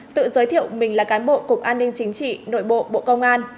tự giới thiệu mình là cán bộ cục an ninh chính trị nội bộ bộ công an